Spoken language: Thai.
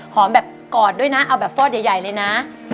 แบบกอดด้วยนะเอาแบบฟอดใหญ่เลยนะ